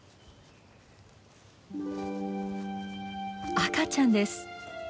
赤ちゃんです。